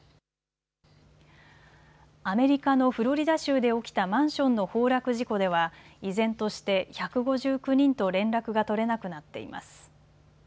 アメリカのフロリダ州で起きたマンションの崩落事故では依然として１５９人と連絡が取れなくなっています。